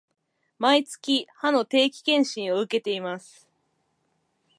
毎月、歯の定期検診を受けています